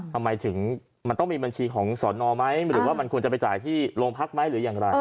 ทำไมถึงมันต้องมีบัญชีของสอนอไหมหรือว่ามันควรจะไปจ่ายที่โรงพักไหมหรืออย่างไร